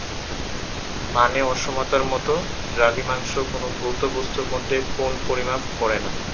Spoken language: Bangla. মানে অসমতার মত, দ্রাঘিমাংশ কোন ভৌত বস্তুর মধ্যে কোণ পরিমাপ করে না।